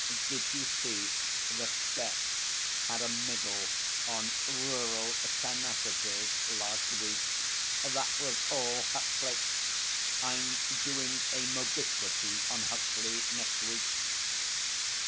'Did you see the Spec. had a middle on "Rural Tenacities" last week. That was all Huckley. I'm doing a "Mobiquity" on Huckley next week.'